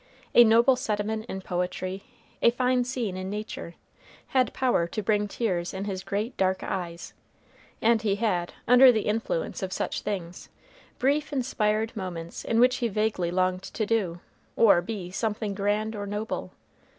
A noble sentiment in poetry, a fine scene in nature, had power to bring tears in his great dark eyes, and he had, under the influence of such things, brief inspired moments in which he vaguely longed to do, or be, something grand or noble.